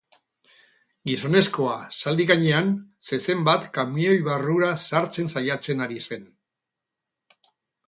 Gizonezkoa, zaldi gainean, zezen bat kamioi barrura sartzen saiatzen ari zen.